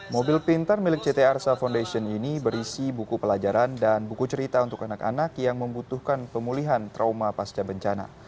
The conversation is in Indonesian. mobil pintar milik ct arsa foundation ini berisi buku pelajaran dan buku cerita untuk anak anak yang membutuhkan pemulihan trauma pasca bencana